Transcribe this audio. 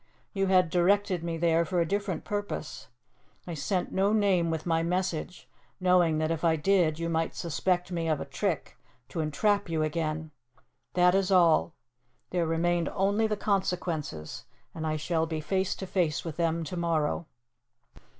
You had directed me there for a different purpose. I sent no name with my message, knowing that if I did you might suspect me of a trick to entrap you again. That is all. There remained only the consequences, and I shall be face to face with them to morrow.